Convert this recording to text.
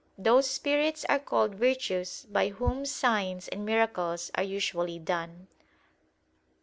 "Those spirits are called virtues by whom signs and miracles are usually done."